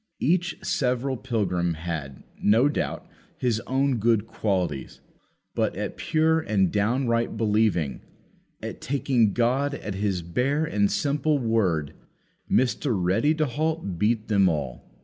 Each several pilgrim had, no doubt, his own good qualities; but, at pure and downright believing at taking God at His bare and simple word Mr. Ready to halt beat them all.